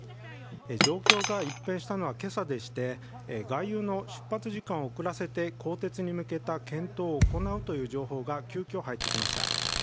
状況が一変したのは今朝でして外遊の出発時間を遅らせて更迭に向けた検討を行うという情報が急きょ入ってきました。